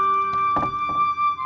neng mah kayak gini